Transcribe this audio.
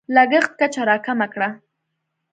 لګښت کچه راکمه کړه.